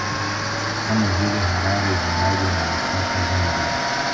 Kama vile Harare Zimbabwe na Lusaka Zambia